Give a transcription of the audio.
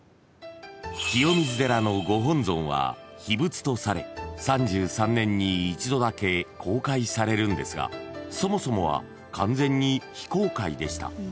［清水寺のご本尊は秘仏とされ３３年に一度だけ公開されるんですがそもそもは完全に非公開でした］